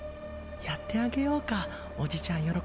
やってあげようかおじちゃん喜ばすために。